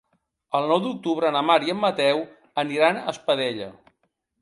El nou d'octubre na Mar i en Mateu aniran a Espadella.